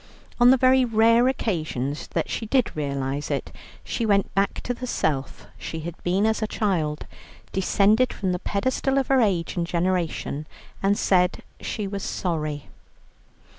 On the very rare occasions that she did realize it, she went back to the self she had been as a child, descended from the pedestal of her age and generation, and said she was sorry.